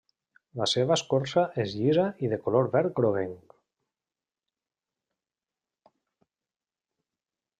La seva escorça és llisa i de color verd groguenc.